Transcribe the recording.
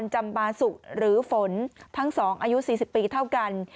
จำบาสุหรือฝนทั้ง๒อายุ๔๐ปีเท่ากัน